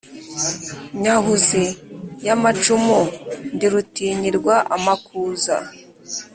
Nyahuzi y’amacumu ndi rutinyirwa amakuza,